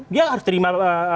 dia harus terima